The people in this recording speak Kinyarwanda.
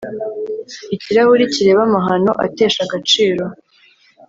Ikirahure kireba amahano atesha agaciro